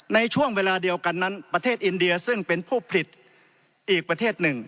ในช่วงเวลาเดียวกันนั้นประเทศอินเดียซึ่งเป็นผู้ผลิตอีกประเทศหนึ่ง